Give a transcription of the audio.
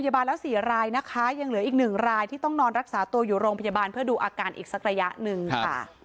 แล้ว๔รายนะคะยังเหลืออีกหนึ่งรายที่ต้องนอนรักษาตัวอยู่โรงพยาบาลเพื่อดูอาการอีกสักระยะหนึ่งค่ะ